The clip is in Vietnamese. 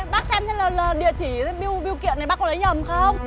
bác xem địa chỉ điều kiện này bác có lấy nhầm không